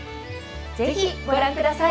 是非ご覧ください。